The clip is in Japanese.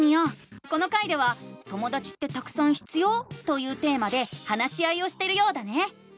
この回では「ともだちってたくさん必要？」というテーマで話し合いをしてるようだね！